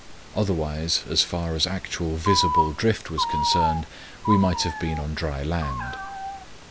Otherwise, as far as actual visible drift was concerned, we might have been on dry land.